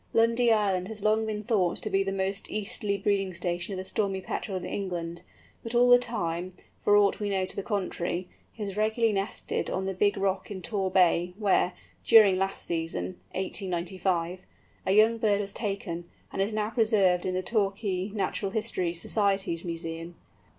Lundy Island has long been thought to be the most easterly breeding station of the Stormy Petrel in England, but all the time, for aught we know to the contrary, it has regularly nested on the Big Rock in Tor Bay, where, during last season (1895), a young bird was taken, and is now preserved in the Torquay Natural History Society's Museum.